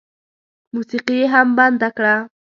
موسيقي یې هم بنده کړه.